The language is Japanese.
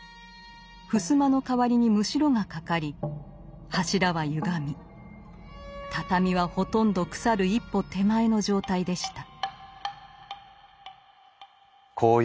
ふすまの代わりにムシロがかかり柱はゆがみ畳はほとんど腐る一歩手前の状態でした。